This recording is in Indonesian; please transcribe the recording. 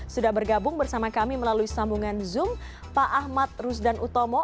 sudah bergabung bersama kami melalui sambungan zoom pak ahmad rusdan utomo